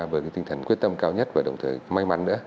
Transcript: với tinh thần quyết tâm cao nhất và đồng thời may mắn nữa